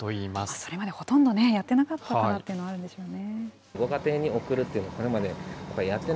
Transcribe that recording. それまでほとんどね、やってなかったからっていうのはあるんでしょうね。